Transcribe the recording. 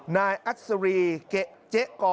นายอัสรีเจ๊กอ